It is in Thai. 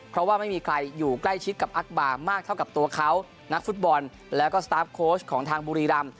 เพราะว่าไม่มีใครอยู่ใกล้ชิดกับอักบาร์มากเท่ากับตัวเขานักฟุตบอลแล้วก็สตาร์ฟโค้ชของทางบุรีรำ